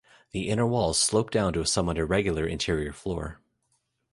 The inner walls slope down to a somewhat irregular interior floor.